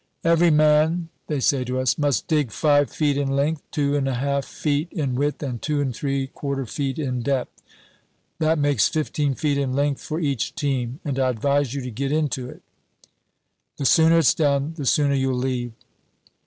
"Every man," they say to us, "must dig five feet in length, two and a half feet in width, and two and three quarter feet in depth. That makes fifteen feet in length for each team. And I advise you to get into it; the sooner it's done, the sooner you'll leave."